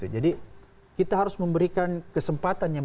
jadi kita harus memberikan kesempatan